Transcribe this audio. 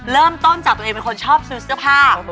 เริ่มต้นจากตัวเองเป็นคนชอบซื้อเสื้อผ้า